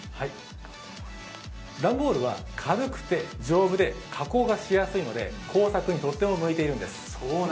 段ボールは軽くて丈夫で加工がしやすいので工作にとっても向いているんです。